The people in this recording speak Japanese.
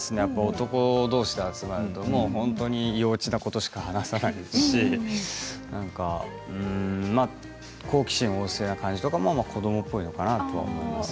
男どうしで集まると本当に幼稚なことしか話さないですし好奇心旺盛な感じとかも子どもっぽいのかなとも思います。